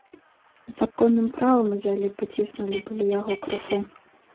Законным правам узялі паціснулі былі яго крыху.